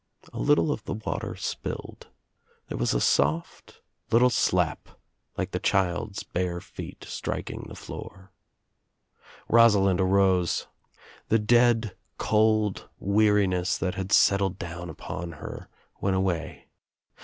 A little of the water spillei There was a soft little slap — like a child's bare feet striking the floor — Rosalind arose. The dead cold weariness that had settled down upon her went away.